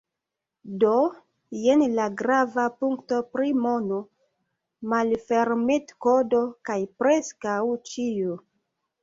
Do, jen la grava punkto pri mono, malfermitkodo kaj preskaŭ ĉio